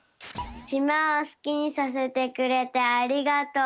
しまをすきにさせてくれてありがとう！